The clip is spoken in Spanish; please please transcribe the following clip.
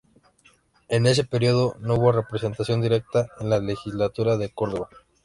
En ese período no hubo representación directa en la Legislatura de Córdoba.